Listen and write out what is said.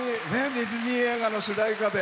ディズニー映画の主題歌で。